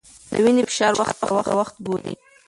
د وینې فشار وخت په وخت وګورئ.